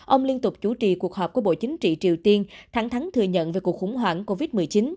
ông liên tục chủ trì cuộc họp của bộ chính trị triều tiên thẳng thắng thừa nhận về cuộc khủng hoảng covid một mươi chín